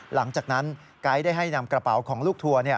หลังจากนั้นไก๊ได้ให้นำกระเป๋าของลูกทัวร์